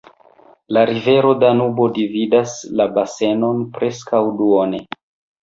La rivero Danubo dividas la basenon preskaŭ duone.